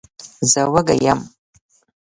زه وږی یم.